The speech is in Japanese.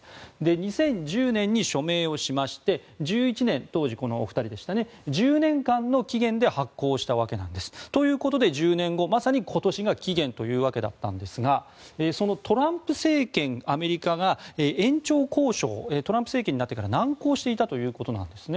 ２０１０年に署名しまして２０１１年当時このお二人でしたね１０年間の期限で発効したわけなんです。ということで１０年後まさに今年が期限ということだったんですがそのトランプ政権、アメリカが延長交渉がトランプ政権になってから難航していたということなんですね。